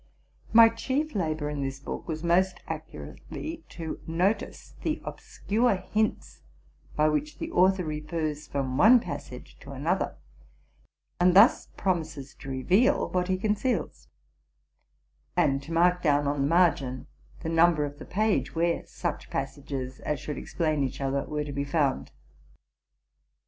My chief labor in this book was most accurately to notice the obscure hints by which the author refers from one passage to another, and thus prom ises to reveal what he conceals, and to mark down on the 284 TRUTH AND FICTION margin the number of the page where such passages as should explain each other were to be found.